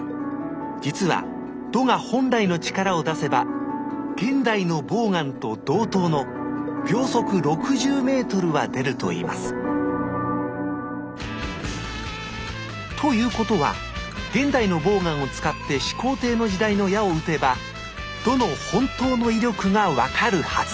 実は弩が本来の力を出せば現代のボウガンと同等の秒速６０ｍは出るといいますということは現代のボウガンを使って始皇帝の時代の矢をうてば弩の本当の威力が分かるはず！